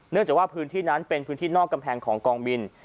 จากว่าพื้นที่นั้นเป็นพื้นที่นอกกำแพงของกองบิน